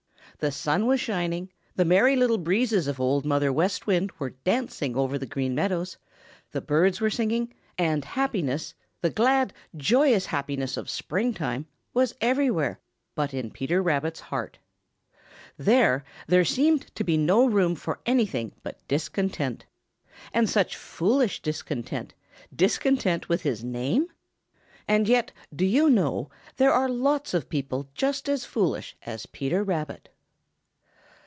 The sun was shining, the Merry Little Breezes of Old Mother West Wind were dancing over the Green Meadows, the birds were singing, and happiness, the glad, joyous happiness of springtime, was everywhere but in Peter Rabbit's heart. There there seeded to be no room for anything but discontent. And such foolish discontent discontent with his name! And yet, do you know, there are lots of people just as foolish as Peter Rabbit.